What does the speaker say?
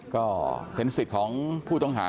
ก็เป็นสิทธิ์ของผู้ต้องหา